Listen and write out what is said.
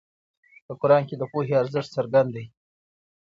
په قرآن کې د پوهې ارزښت څرګند دی.